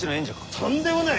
とんでもない！